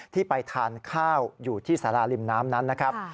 ที่ไปทานข้าวอยู่ที่สาราริมน้ำนั้นนะครับ